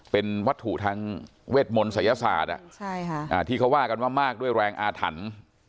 เป็นวัตถุทางเวทมนต์ศัยศาสตร์ที่เขาว่ากันว่ามากด้วยแรงอาถรรพ์